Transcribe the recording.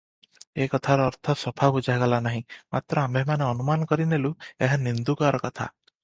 ଏ କଥାର ଅର୍ଥ ସଫା ବୁଝାଗଲା ନାହିଁ, ମାତ୍ର ଆମ୍ଭେମାନେ ଅନୁମାନ କରିନେଲୁ, ଏହା ନିନ୍ଦୁକର କଥା ।